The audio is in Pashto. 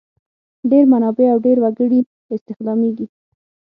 ډېر منابع او ډېر وګړي استخدامیږي.